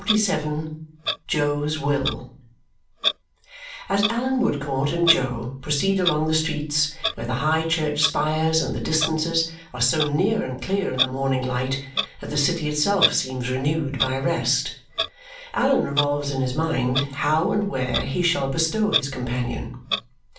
CHAPTER XLVII Jo's Will As Allan Woodcourt and Jo proceed along the streets where the high church spires and the distances are so near and clear in the morning light that the city itself seems renewed by rest, Allan revolves in his mind how and where he shall bestow his companion.